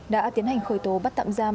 đã tiến hành khởi tố bắt tạm giam